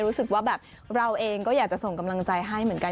รู้สึกว่าแบบเราเองก็อยากจะส่งกำลังใจให้เหมือนกัน